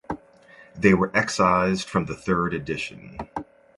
They were excised from the third edition.